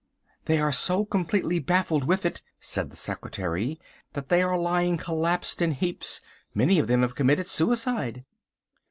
"They are so completely baffled with it," said the secretary, "that they are lying collapsed in heaps; many of them have committed suicide."